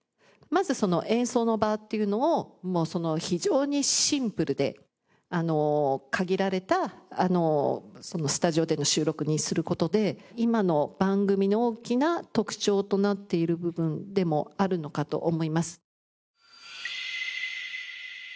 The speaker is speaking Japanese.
まずその演奏の場っていうのを非常にシンプルで限られたスタジオでの収録にする事で今の番組の大きな特徴となっている部分でもあるのかと思います。